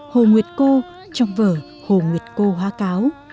hồ nguyệt cô trong vở hồ nguyệt cô hóa cáo